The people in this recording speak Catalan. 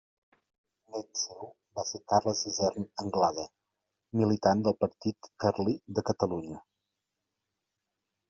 Un nét seu va ser Carles Isern Anglada, militant del Partit Carlí de Catalunya.